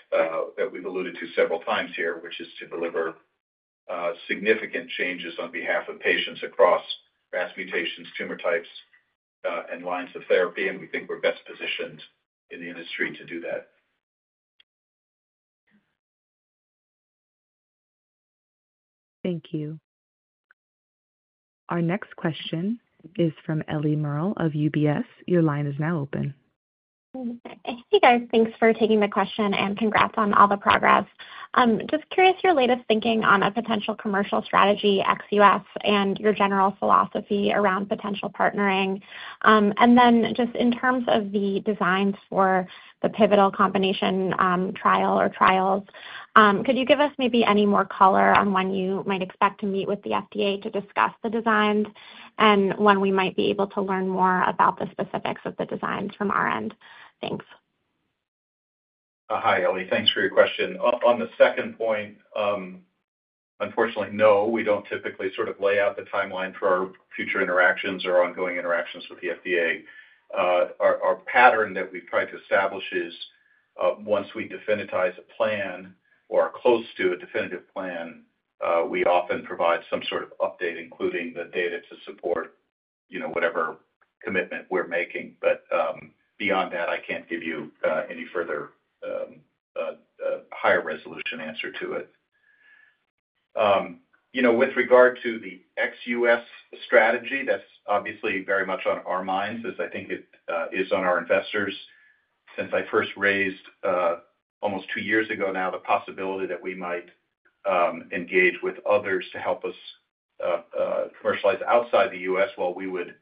we've alluded to several times here, which is to deliver significant changes on behalf of patients across RAS mutations, tumor types, and lines of therapy. We think we're best positioned in the industry to do that. Thank you. Our next question is from Ellie Merle of UBS. Your line is now open. Hey, guys. Thanks for taking the question. Congrats on all the progress. Just curious your latest thinking on a potential commercial strategy, XUS, and your general philosophy around potential partnering. Then just in terms of the designs for the pivotal combination trial or trials, could you give us maybe any more color on when you might expect to meet with the FDA to discuss the designs and when we might be able to learn more about the specifics of the designs from our end? Thanks. Hi, Ellie. Thanks for your question. On the second point, unfortunately, no. We do not typically sort of lay out the timeline for our future interactions or ongoing interactions with the FDA. Our pattern that we have tried to establish is once we definitize a plan or are close to a definitive plan, we often provide some sort of update, including the data to support whatever commitment we are making. Beyond that, I cannot give you any further higher resolution answer to it. With regard to the XUS strategy, that's obviously very much on our minds, as I think it is on our investors. Since I first raised almost two years ago now the possibility that we might engage with others to help us commercialize outside the U.S., while we would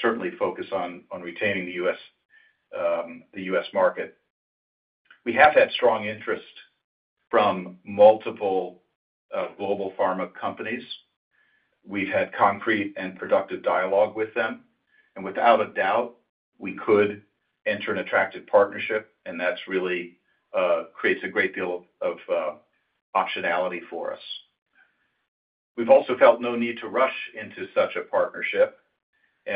certainly focus on retaining the U.S. market, we have had strong interest from multiple global pharma companies. We've had concrete and productive dialogue with them. Without a doubt, we could enter an attractive partnership. That really creates a great deal of optionality for us. We've also felt no need to rush into such a partnership.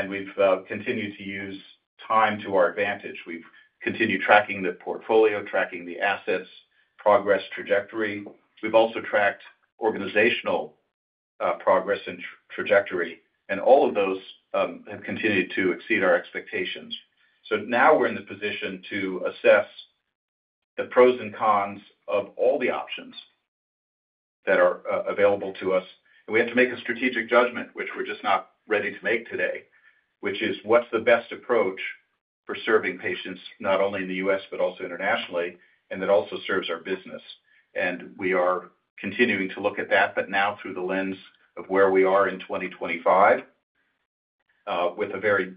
We've continued to use time to our advantage. We've continued tracking the portfolio, tracking the assets, progress, trajectory. We've also tracked organizational progress and trajectory. All of those have continued to exceed our expectations. Now we're in the position to assess the pros and cons of all the options that are available to us. We have to make a strategic judgment, which we're just not ready to make today, which is what's the best approach for serving patients not only in the U.S. but also internationally, and that also serves our business. We are continuing to look at that, but now through the lens of where we are in 2025 with a very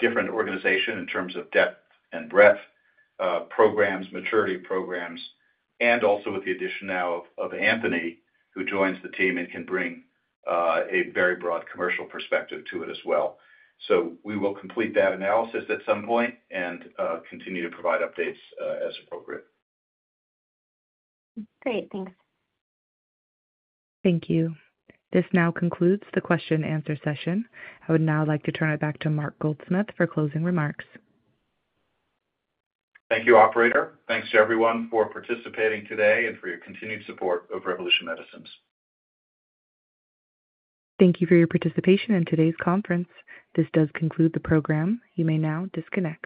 different organization in terms of depth and breadth, programs, maturity programs, and also with the addition now of Anthony, who joins the team and can bring a very broad commercial perspective to it as well. We will complete that analysis at some point and continue to provide updates as appropriate. Great. Thanks. Thank you. This now concludes the question-and-answer session. I would now like to turn it back to Mark Goldsmith for closing remarks. Thank you, operator. Thanks to everyone for participating today and for your continued support of Revolution Medicines. Thank you for your participation in today's conference. This does conclude the program. You may now disconnect.